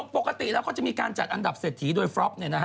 ปกติเราก็จะมีการจัดอันดับเศรษฐีโดยฟรอปเนี่ยนะฮะ